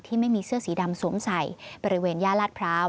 ไม่มีเสื้อสีดำสวมใส่บริเวณย่าลาดพร้าว